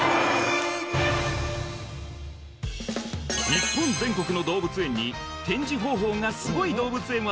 日本全国の動物園に「展示方法がすごい動物園は」